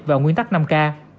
và nguyên tắc năm k